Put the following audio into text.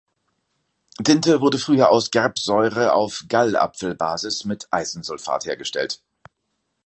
Tinte wurde früher aus Gerbsäure auf Gallapfelbasis mit Eisensulfat hergestellt.